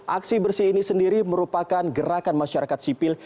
aksi bersih ini sendiri merupakan gerakan masyarakat sipil